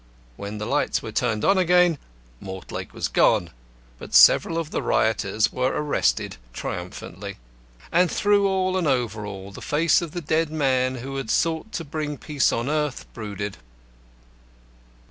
When the lights were turned on again, Mortlake was gone. But several of the rioters were arrested, triumphantly. And through all, and over all, the face of the dead man, who had sought to bring peace on earth, brooded.